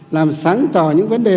làm sáng tỏ những vấn đề